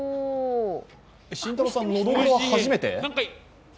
慎太郎さん、ノドグロは初めて？